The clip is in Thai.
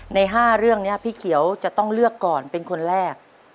ใน๕เรื่องนี้พี่เขียวจะต้องเลือกก่อนเป็นคนแรก